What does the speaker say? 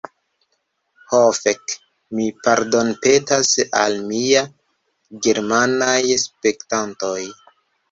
Ho fek'... mi pardonpetas al mia germanaj spektantoj!